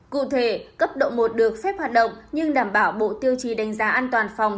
cụ thể cấp độ một được phép hoạt động nhưng đảm bảo bộ tiêu chí đánh giá an toàn phòng